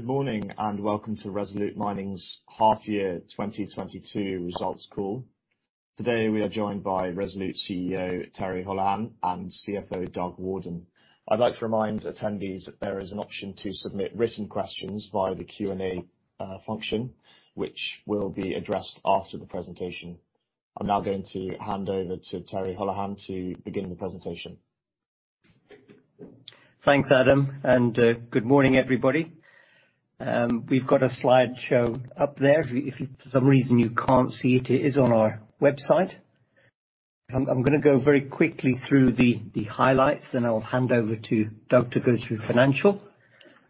Good morning, and welcome to Resolute Mining's half year 2022 results call. Today, we are joined by Resolute CEO, Terry Holohan, and CFO, Doug Warden. I'd like to remind attendees that there is an option to submit written questions via the Q&A function, which will be addressed after the presentation. I'm now going to hand over to Terry Holohan to begin the presentation. Thanks, Adam, and good morning, everybody. We've got a slide show up there. If for some reason you can't see it is on our website. I'm gonna go very quickly through the highlights, then I'll hand over to Doug to go through financial.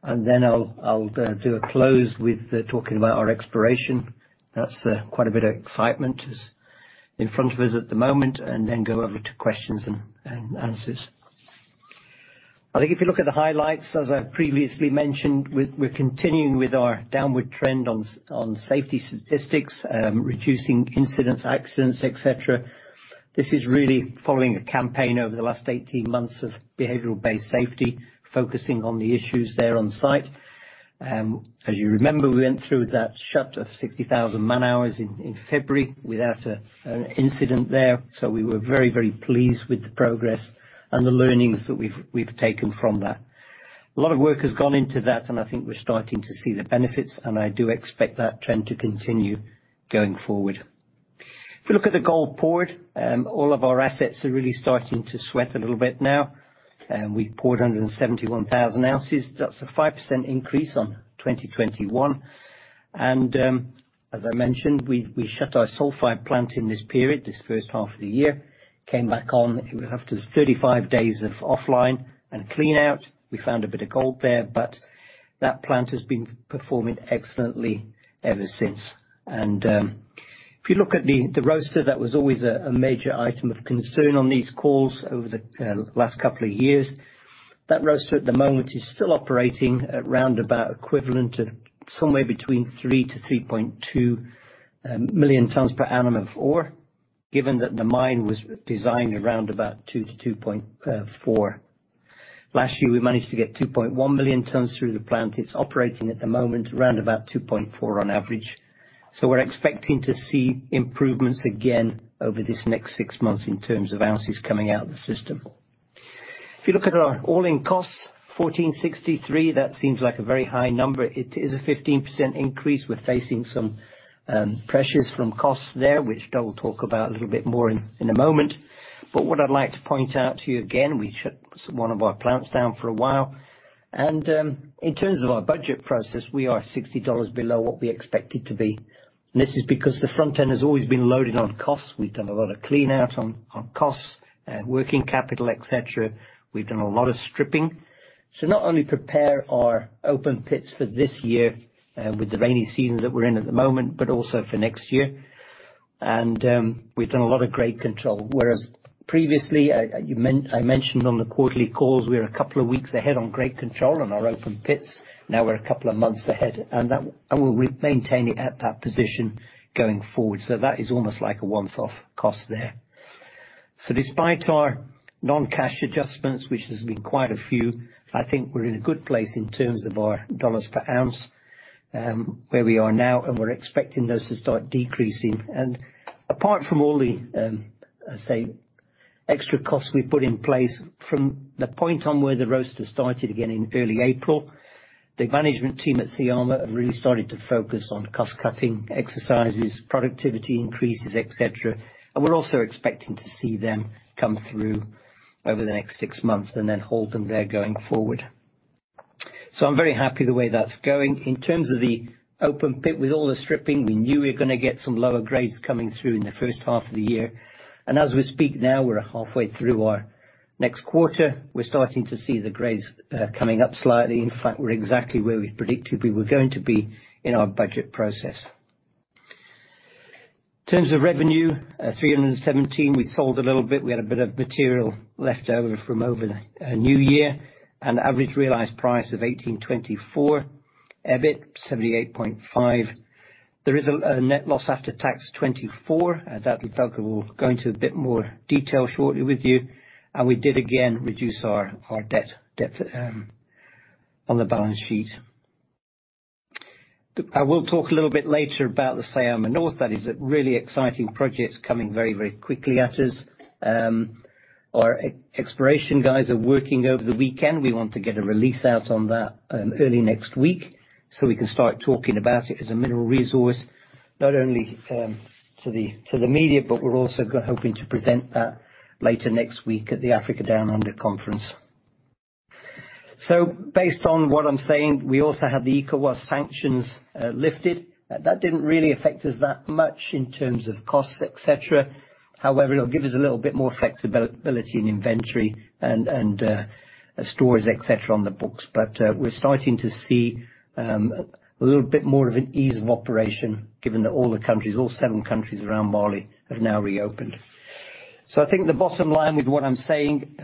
I'll do a close with talking about our exploration. That's quite a bit excitement is in front of us at the moment, and then go over to questions and answers. I think if you look at the highlights, as I've previously mentioned, we're continuing with our downward trend on safety statistics, reducing incidents, accidents, et cetera. This is really following a campaign over the last 18 months of behavioral-based safety, focusing on the issues there on site. As you remember, we went through that shutdown of 60,000 man-hours in February without an incident there. We were very pleased with the progress and the learnings that we've taken from that. A lot of work has gone into that, and I think we're starting to see the benefits, and I do expect that trend to continue going forward. If you look at the gold poured, all of our assets are really starting to sweat a little bit now, and we poured over 71,000 ounces. That's a 5% increase on 2021. As I mentioned, we shut our sulfide plant in this period, the first half of the year. It came back on after 35 days offline and clean out. We found a bit of gold there, but that plant has been performing excellently ever since. If you look at the roaster, that was always a major item of concern on these calls over the last couple of years. That roaster at the moment is still operating at round about equivalent of somewhere between 3 million-3.2 million tons per annum of ore, given that the mine was designed around about 2 millon-2.4 million tons. Last year, we managed to get 2.1 million tons through the plant. It's operating at the moment around about 2.4 million on average. We're expecting to see improvements again over this next six months in terms of ounces coming out of the system. If you look at our all-in costs $1,463, that seems like a very high number. It is a 15% increase. We're facing some pressures from costs there, which Doug will talk about a little bit more in a moment. What I'd like to point out to you again, we shut one of our plants down for a while. In terms of our budget process, we are $60 below what we expected to be. This is because the front end has always been loaded on costs. We've done a lot of clean out on costs and working capital, et cetera. We've done a lot of stripping. Not only prepare our open pits for this year with the rainy season that we're in at the moment, but also for next year. We've done a lot of grade control. Whereas previously, I mentioned on the quarterly calls, we're a couple of weeks ahead on grade control on our open pits. Now we're a couple of months ahead, and we maintain it at that position going forward. That is almost like a once-off cost there. Despite our non-cash adjustments, which has been quite a few, I think we're in a good place in terms of our dollars per ounce, where we are now, and we're expecting those to start decreasing. Apart from all the, let's say, extra costs we've put in place, from that point on where the roaster started again in early April, the management team at Syama have really started to focus on cost-cutting exercises, productivity increases, et cetera. We're also expecting to see them come through over the next six months and then hold them there going forward. I'm very happy the way that's going. In terms of the open pit, with all the stripping, we knew we were gonna get some lower grades coming through in the first half of the year. As we speak now, we're halfway through our next quarter. We're starting to see the grades coming up slightly. In fact, we're exactly where we predicted we were going to be in our budget process. In terms of revenue, $317 million, we sold a little bit. We had a bit of material left over from over the New Year, an average realized price of $1,824, EBITDA $78.5. There is a net-loss after tax, $24 million. That Doug will go into a bit more detail shortly with you. We did again reduce our debt on the balance sheet. I will talk a little bit later about the Syama North. That is a really exciting project coming very, very quickly at us. Our exploration guys are working over the weekend. We want to get a release out on that early next week, so we can start talking about it as a mineral resource, not only to the media, but we're also hoping to present that later next week at the Africa Down Under Conference. Based on what I'm saying, we also have the ECOWAS sanctions lifted. That didn't really affect us that much in terms of costs, et cetera. However, it'll give us a little bit more flexibility in inventory and stores, et cetera, on the books. We're starting to see a little bit more of an ease of operation given that all the countries, all seven countries around Mali have now reopened. I think the bottom line with what I'm saying,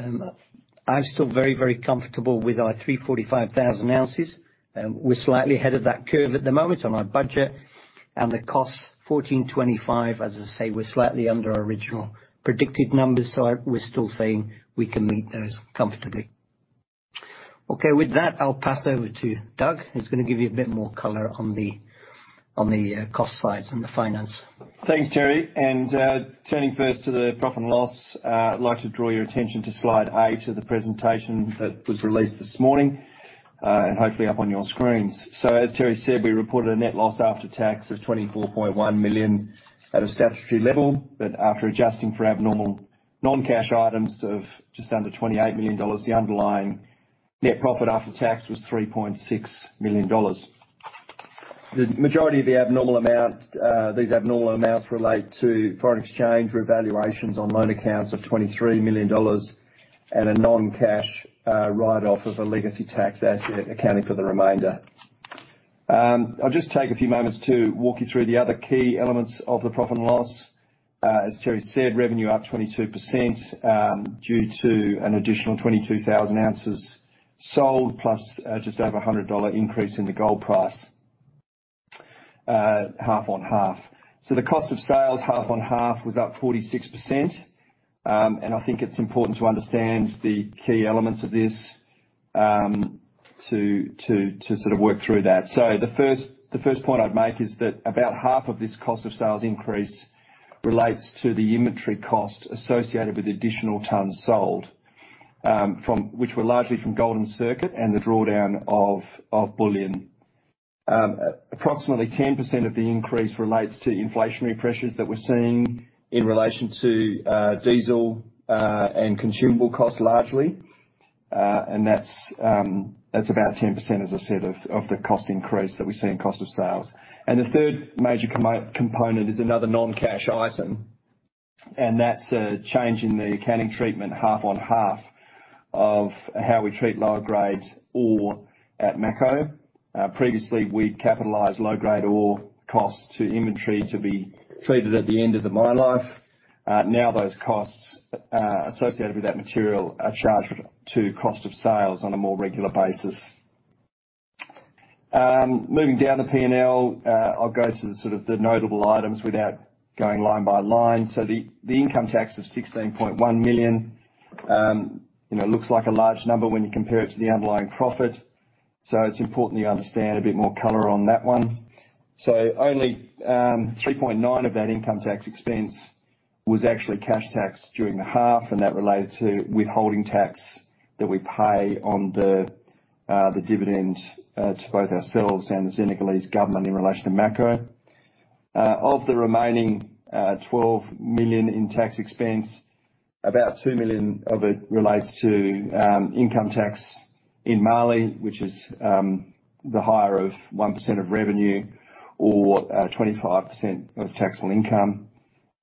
I'm still very, very comfortable with our 345,000 ounces. We're slightly ahead of that curve at the moment on our budget. The cost $1,425, as I say, we're slightly under our original predicted numbers, so we're still saying we can meet those comfortably. Okay. With that, I'll pass over to Doug, who's gonna give you a bit more color on the cost side and the finance. Thanks, Terry. Turning first to the profit and loss, I'd like to draw your attention to slide 8 of the presentation that was released this morning, and hopefully up on your screens. As Terry said, we reported a net-loss-after tax of $24.1 million at a statutory level. After adjusting for abnormal non-cash items of just under $28 million, the underlying net-profit -after tax was $3.6 million. The majority of these abnormal amounts relate to foreign exchange revaluations on loan accounts of $23 million and a non-cash write-off of a legacy tax asset accounting for the remainder. I'll just take a few moments to walk you through the other key elements of the profit and loss. As Terry said, revenue up 22%, due to an additional 22,000 ounces sold, plus just over a $100 increase in the gold price, half-on-half. The cost of sales half-on-half was up 46%. I think it's important to understand the key elements of this, to sort of work through that. The first point I'd make is that about half of this cost of sales increase relates to the inventory cost associated with additional tons sold, from which were largely from gold-in-circuit and the drawdown of bullion. Approximately 10% of the increase relates to inflationary pressures that we're seeing in relation to diesel and consumable costs largely. That's about 10%, as I said, of the cost increase that we see in cost of sales. The third major component is another non-cash item, and that's a change in the accounting treatment half on half of how we treat low-grade ore at Mako. Previously, we'd capitalize low-grade ore costs to inventory to be treated at the end of the mine life. Now those costs associated with that material are charged to cost of sales on a more regular basis. Moving down the P&L, I'll go to sort of the notable items without going line-by-line. The income tax of $16.1 million, you know, looks like a large number when you compare it to the underlying profit. It's important that you understand a bit more color on that one. Only $3.9 million of that income tax expense was actually cash tax during the half, and that related to withholding tax that we pay on the dividend to both ourselves and the Senegalese government in relation to Mako. Of the remaining $12 million in tax expense, about $2 million of it relates to income tax in Mali, which is the higher of 1% of revenue or 25% of taxable income.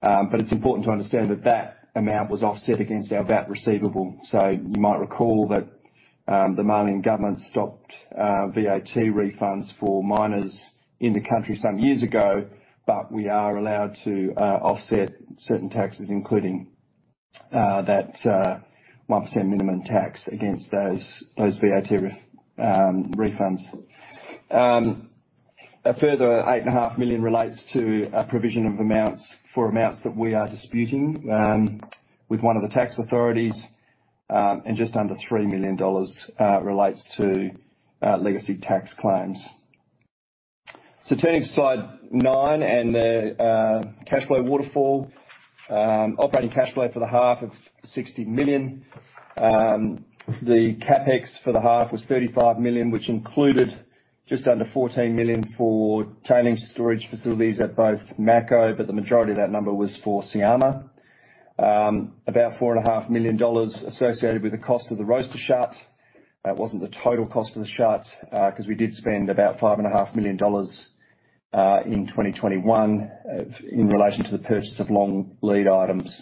It's important to understand that that amount was offset against our VAT receivable. You might recall that the Malian government stopped VAT refunds for miners in the country some years ago, but we are allowed to offset certain taxes, including that 1% minimum tax against those VAT refunds. A further $8.5 million relates to a provision of amounts that we are disputing with one of the tax authorities, and just under $3 million relates to legacy tax claims. Turning to slide nine and the cash flow waterfall. Operating cash flow for the half $60 million. The CapEx for the half was $35 million, which included just under $14 million for tailings storage facilities at both Mako, but the majority of that number was for Syama. About $4.5 million associated with the cost of the roaster shut. That wasn't the total cost for the shut, 'cause we did spend about $5.5 million in 2021 in relation to the purchase of long lead items.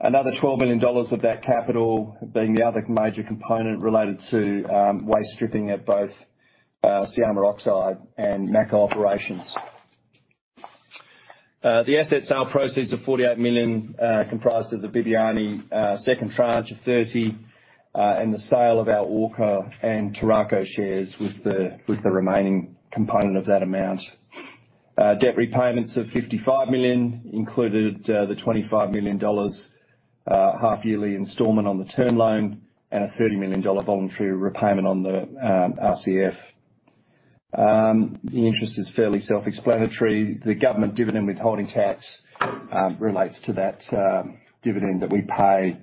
Another $12 million of that capital being the other major component related to waste stripping at both Syama Oxide and Mako operations. The asset sale proceeds of $48 million comprised of the Bibiani second tranche of $30 million and the sale of our Orca and Toro shares was the remaining component of that amount. Debt repayments of $55 million included the $25 million half yearly installment on the term loan and a $30 million voluntary repayment on the RCF. The interest is fairly self-explanatory. The government dividend withholding tax relates to that dividend that we pay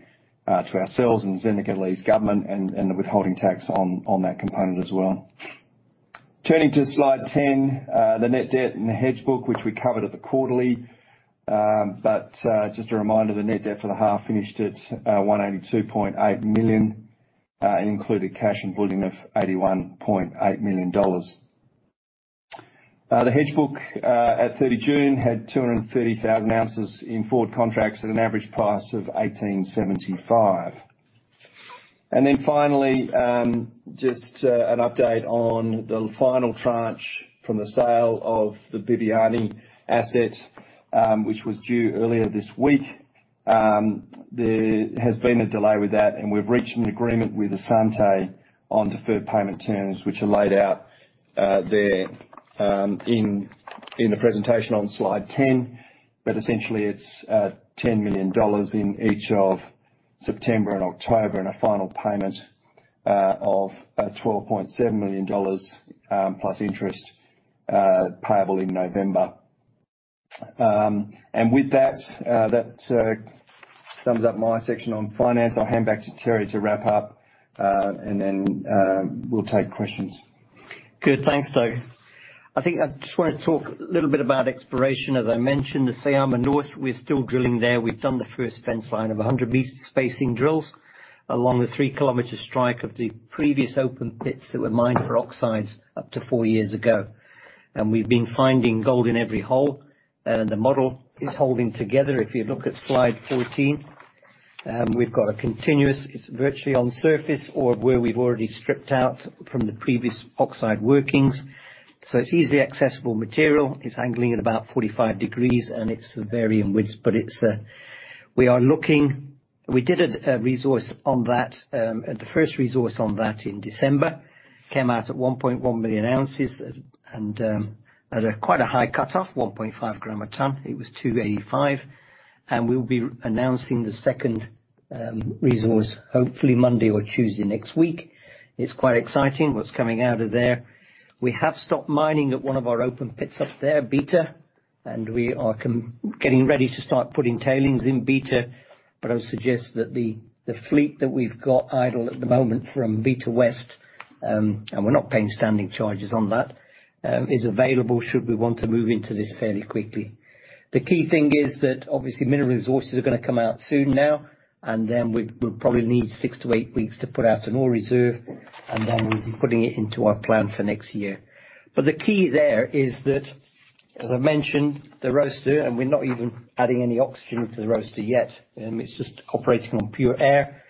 to ourselves and the Senegalese government and the withholding tax on that component as well. Turning to slide 10, the net debt and the hedge book, which we covered at the quarterly. Just a reminder, the net-debt for the half finished at $182.8 million, including cash and bullion of $81.8 million. The hedge book at 30 June had 230,000 ounces in forward contracts at an average price of $1,875. Finally, just an update on the final tranche from the sale of the Bibiani asset, which was due earlier this week. There has been a delay with that, and we've reached an agreement with Asante on deferred payment terms, which are laid out there in the presentation on slide 10. Essentially it's $10 million in each of September and October, and a final payment of $12.7 million plus interest payable in November. With that sums up my section on finance. I'll hand back to Terry to wrap up, and then, we'll take questions. Good. Thanks, Doug. I think I just wanna talk a little bit about exploration. As I mentioned, the Syama North, we're still drilling there. We've done the first fence line of 100-m spacing drills along the 3-km strike of the previous open pits that were mined for oxides up to four years ago. We've been finding gold in every hole, and the model is holding together. If you look at slide 14, we've got a continuous, it's virtually on surface or where we've already stripped out from the previous oxide workings. It's easily accessible material. It's angling at about 45 degrees, and it's varying widths, but it's. We did a resource on that at the first resource on that in December. Came out at 1.1 million ounces and at quite a high cutoff, 1.5 g/t. It was 2.85 g/t. We'll be announcing the second resource hopefully Monday or Tuesday next week. It's quite exciting what's coming out of there. We have stopped mining at one of our open pits up there, Beta, and we are getting ready to start putting tailings in Beta. I would suggest that the fleet that we've got idle at the moment from Beta West and we're not paying standing charges on that is available should we want to move into this fairly quickly. The key thing is that, obviously, mineral resources are gonna come out soon now, and then we'll probably need six to eight weeks to put out an ore reserve, and then we'll be putting it into our plan for next year. The key there is that, as I mentioned, the roaster, and we're not even adding any oxygen to the roaster yet, it's just operating on pure air,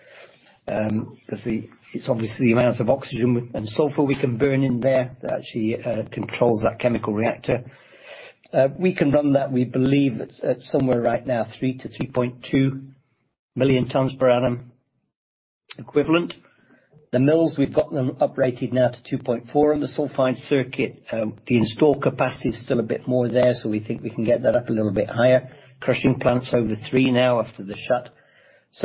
'cause it's obviously the amount of oxygen and sulfur we can burn in there that actually controls that chemical reactor. We can run that, we believe it's at somewhere right now, 3 million-3.2 million tons per annum equivalent. The mills, we've got them operated now to 2.4 million on the sulfide circuit. The in-store capacity is still a bit more there, so we think we can get that up a little bit higher. Crushing plants over three now after the shut.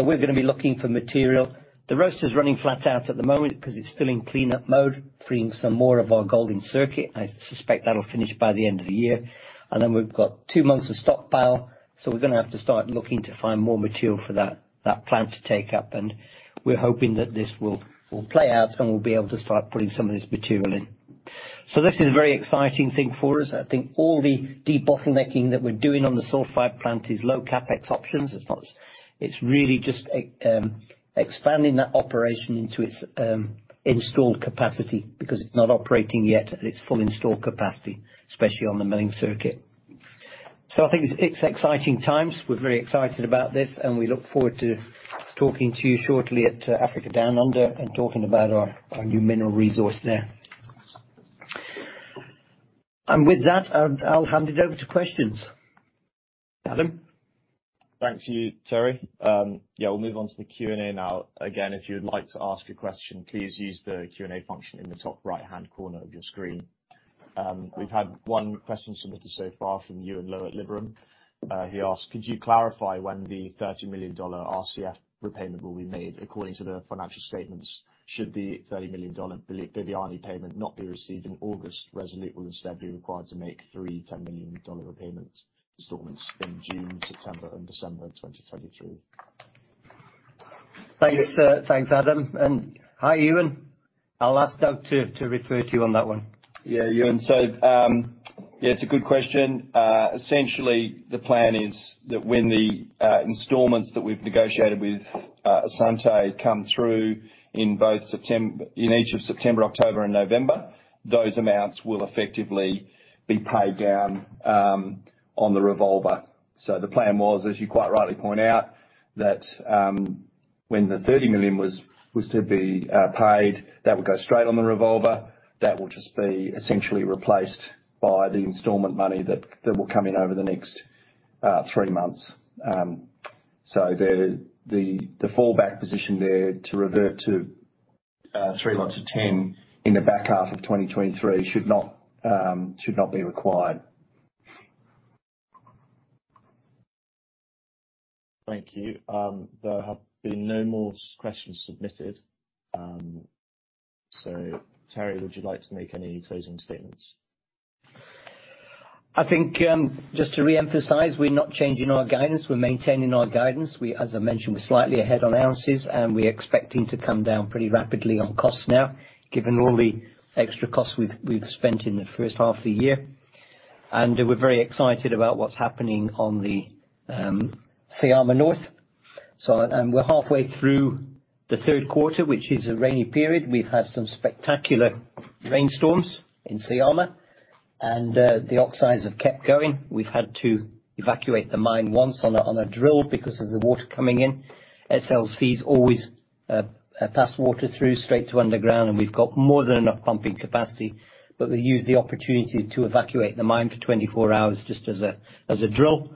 We're gonna be looking for material. The roaster's running flat out at the moment 'cause it's still in cleanup mode, freeing some more of our gold-in-circuit. I suspect that'll finish by the end of the year. Then we've got two months of stockpile, so we're gonna have to start looking to find more material for that plant to take up. We're hoping that this will play out, and we'll be able to start putting some of this material in. This is a very exciting thing for us. I think all the debottlenecking that we're doing on the sulfide plant is low CapEx options. It's not. It's really just expanding that operation into its installed capacity because it's not operating yet at its full installed capacity, especially on the milling circuit. I think it's exciting times. We're very excited about this, and we look forward to talking to you shortly at Africa Down Under and talking about our new mineral resource there. With that, I'll hand it over to questions. Adam? Thanks to you, Terry. Yeah, we'll move on to the Q&A now. Again, if you'd like to ask a question, please use the Q&A function in the top right-hand corner of your screen. We've had one question submitted so far from Ewan Loe at Liberum. He asked: Could you clarify when the $30 million RCF repayment will be made? According to the financial statements, should the $30 million Bibiani payment not be received in August, Resolute will instead be required to make three $10 million repayment installments in June, September, and December of 2022. Thanks, Adam. Hi, Ewan. I'll ask Doug to refer to you on that one. Yeah, Ewan. It's a good question. Essentially, the plan is that when the installments that we've negotiated with Asante come through in each of September, October, and November, those amounts will effectively be paid down on the revolver. The plan was, as you quite rightly point out, that when the $30 million was to be paid, that would go straight on the revolver. That will just be essentially replaced by the installment money that will come in over the next three months. The fallback position there to revert to three lots of $10 million in the back half of 2023 should not be required. Thank you. There have been no more questions submitted. Terry, would you like to make any closing statements? I think, just to reemphasize, we're not changing our guidance. We're maintaining our guidance. We, as I mentioned, we're slightly ahead on ounces, and we're expecting to come down pretty rapidly on costs now, given all the extra costs we've spent in the first half of the year. We're very excited about what's happening on the Syama North. We're halfway through the third quarter, which is a rainy period. We've had some spectacular rainstorms in Syama, and the oxides have kept going. We've had to evacuate the mine once on a drill because of the water coming in. SLCs always pass water through straight to underground, and we've got more than enough pumping capacity, but we use the opportunity to evacuate the mine for 24 hours just as a drill.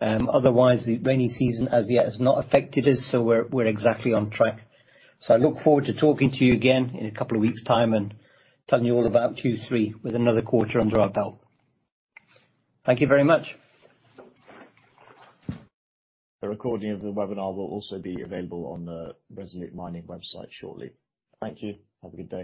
Otherwise, the rainy season as yet has not affected us, so we're exactly on track. I look forward to talking to you again in a couple of weeks' time and telling you all about Q3 with another quarter under our belt. Thank you very much. A recording of the webinar will also be available on the Resolute Mining website shortly. Thank you. Have a good day.